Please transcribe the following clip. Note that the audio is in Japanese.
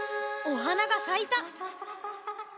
おはながさいた。